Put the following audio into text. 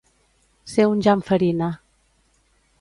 Ser un Jan Farina.